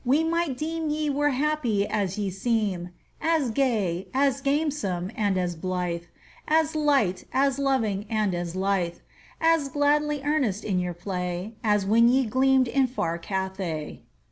we might deem Ye were happy as ye seem As gay, as gamesome, and as blithe, As light, as loving, and as lithe, As gladly earnest in your play, As when ye gleamed in far Cathay.